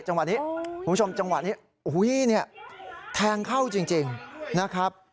คุณผู้ชมจังหวัดนี้อุ๊ยนี่แทงเข้าจริงนะครับ